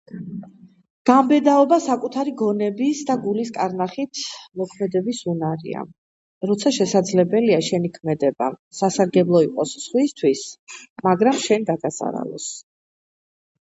გამბედაობა საკუთარი გონების და გულის კარნახით მოქმედების უნარია, როცა შესაძლებელია შენი ქმედება სასარგებლო იყოს სხვისთვის, მაგრამ შენ დაგაზარალოს.